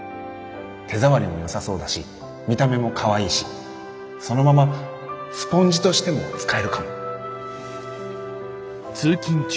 手触りもよさそうだし見た目もかわいいしそのままスポンジとしても使えるかも。